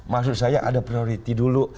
maksud saya ada priority dulu